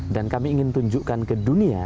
dan kami ingin tunjukkan ke dunia